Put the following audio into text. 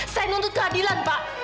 saya menuntut keadilan pak